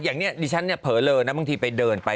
อย่างนี้ฉันเผลอเลอบางทีไปเดินไป